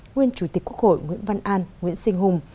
nguyên chủ tịch quốc hội nguyễn văn an nguyễn sinh hùng